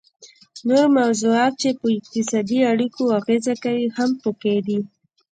نور موضوعات چې په اقتصادي اړیکو اغیزه کوي هم پکې دي